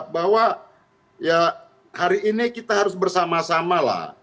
bahwa ya hari ini kita harus bersama sama lah